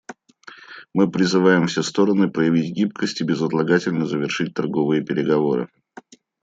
Мы призываем все стороны проявить гибкость и безотлагательно завершить торговые переговоры.